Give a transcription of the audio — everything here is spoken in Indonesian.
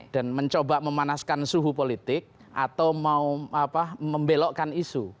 dan mencoba memanaskan suhu politik atau mau membelokkan isu